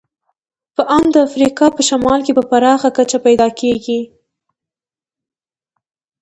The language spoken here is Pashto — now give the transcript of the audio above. په ان د افریقا په شمال کې په پراخه کچه پیدا کېدل.